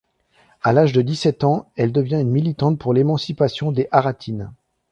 À l’âge de dix-sept ans, elle devient une militante pour l’émancipation des Haratines.